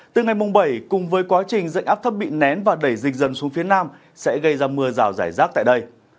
từ ngày mùng bảy cùng với quá trình dạnh áp thấp bị nén và đẩy dịch dần xuống phía nam sẽ gây ra mưa rào rải rác tại đây